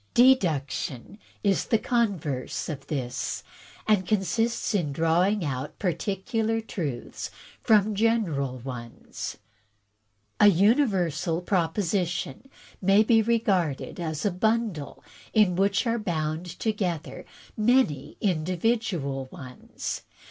" Deduction is the converse of this, and consists in drawing out particular truths from general ones. A universal propo sition may be regarded as a bundle in which are bound to gether many individual ones.